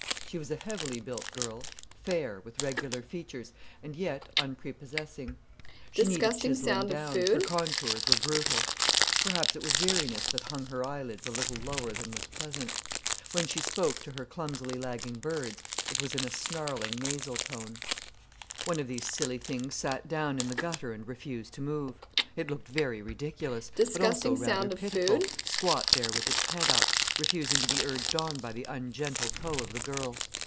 She was a heavily built girl, fair, with regular features, and yet unprepossessing. She needed chiselling down, her contours were brutal. Perhaps it was weariness that hung her eyelids a little lower than was pleasant. When she spoke to her clumsily lagging birds it was in a snarling nasal tone. One of the silly things sat down in the gutter and refused to move. It looked very ridiculous, but also rather pitiful, squat there with its head up, refusing to be urged on by the ungentle toe of the girl.